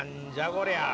こりゃ。